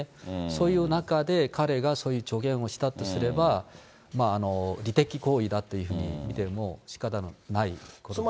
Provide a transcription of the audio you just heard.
そういう中で、彼がそういう助言をしたとすれば、利敵行為だっていうふうに見てもしかたがないことですね。